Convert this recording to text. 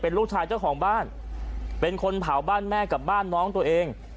ลูกชายเจ้าของบ้านเป็นคนเผาบ้านแม่กับบ้านน้องตัวเอง